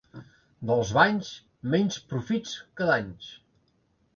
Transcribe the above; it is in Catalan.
Dels banys, menys profits que danys.